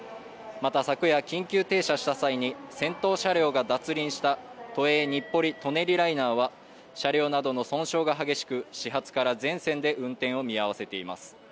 また昨夜、緊急停車した際に先頭車両が脱輪した都営日暮里・舎人ライナーは車両などの損傷が激しく始発から全線で運転を見合せています。